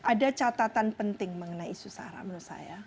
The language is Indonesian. ada catatan penting mengenai isu sarah menurut saya